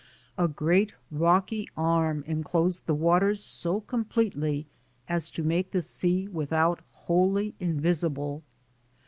A great rocky arm en closed the waters so completely as to make the sea without wholly invisible.